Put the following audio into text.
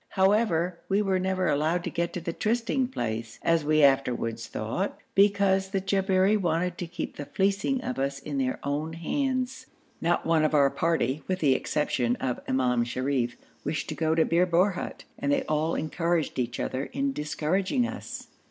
However, we were never allowed to get to the trysting place, as we afterwards thought, because the Jabberi wanted to keep the fleecing of us in their own hands. Not one of our party, with the exception of Imam Sharif, wished to go to Bir Borhut, and they all encouraged each other in discouraging us.